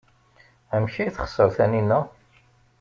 Amek ay texṣer Taninna?